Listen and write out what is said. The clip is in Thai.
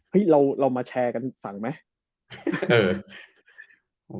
เรามาแชร์กันสั่งไหม